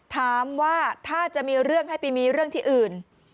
ถามว่าถ้าจะมีเรื่องให้ไปมีเรื่องที่อื่น